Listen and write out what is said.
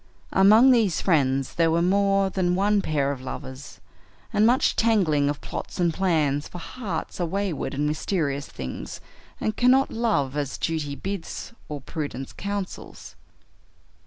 Among these friends there were more than one pair of lovers, and much tangling of plots and plans, for hearts are wayward and mysterious things, and cannot love as duty bids or prudence counsels.